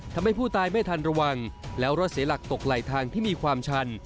ทำให้ผู้ตายไม่ทันระวังแล้วรถเสียหลักตกไหลทางที่มีความชัน